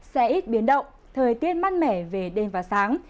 sẽ ít biến động thời tiết mát mẻ về đêm và sáng